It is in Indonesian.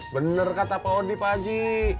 bener kata pak hodi pak haji